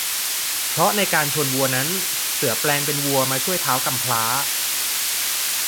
เพราะในการชนวัวนั้น เสือแปลงเป็นวัวมาช่วยท้าวกำพร้า